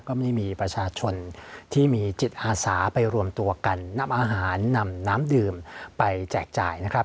ก็ไม่มีประชาชนที่มีจิตอาสาไปรวมตัวกันนำอาหารนำน้ำดื่มไปแจกจ่ายนะครับ